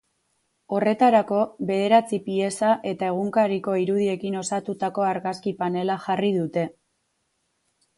Horretarako, bederatzi pieza eta egunkariko irudiekin osatutako argazki-panela jarri dute.